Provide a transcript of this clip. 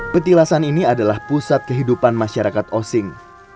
petilasan ini adalah pusat kehidupan masyarakat osing